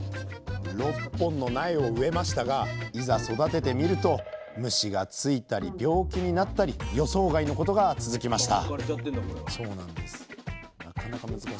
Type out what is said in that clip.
６本の苗を植えましたがいざ育ててみると虫がついたり病気になったり予想外のことが続きました